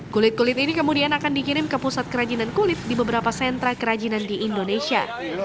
kulit kulit ini kemudian akan dikirim ke pusat kerajinan kulit di beberapa sentra kerajinan di indonesia